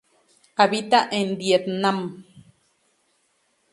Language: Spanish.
Habita en Vietnam.